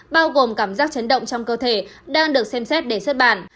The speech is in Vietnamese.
bao gồm cảm giác chấn động trong cơ thể đang được xem xét để xuất bản